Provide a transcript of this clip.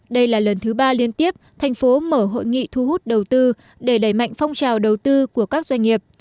đây là lần thứ ba liên tiếp thành phố mở hội nghị thu hút đầu tư để đẩy mạnh phong trào đầu tư của các doanh nghiệp